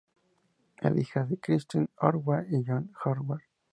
Es hija de Christine Ordway y John Ordway.